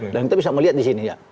dan kita bisa melihat di sini